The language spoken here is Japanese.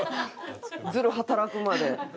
ズル働くまで。